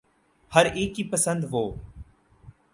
ہر ایک کی پسند و